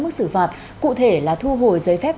mức xử phạt cụ thể là thu hồi giấy phép